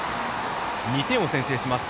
２点を先制します。